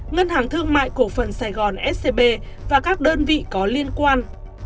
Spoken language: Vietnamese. ngân hàng thương mại cổ phần sài gòn scb và các đơn vị có liên quan